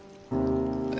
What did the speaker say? え